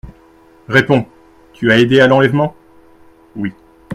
Réponds : tu as aidé à l'enlèvement ? Oui.